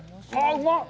うまっ。